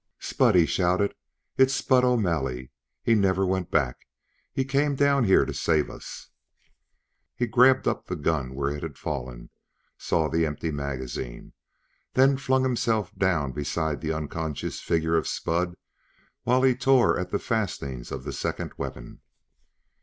"Spud!" he shouted. "It's Spud O'Malley! He never went back! He came down here to save us!" He grabbed up the gun where it had fallen; saw the empty magazine; then flung himself down beside the unconscious figure of Spud while he tore at the fastenings of the second weapon.